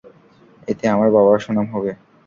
এতে আমার বাবার সুনাম হবে।